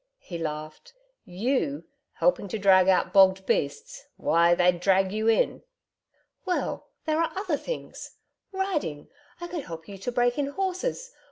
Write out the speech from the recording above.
He laughed. 'YOU helping to drag out bogged beasts! Why! they'd drag you in.' 'Well, there are other things. Riding! I could help you to break in horses.